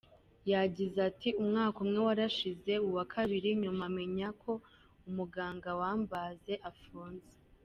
Yagize ati “Umwaka umwe warashize, uwa kabiri…nyuma menya ko umuganga wambaze afunze.